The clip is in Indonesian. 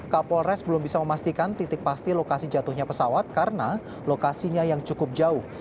kapolres belum bisa memastikan titik pasti lokasi jatuhnya pesawat karena lokasinya yang cukup jauh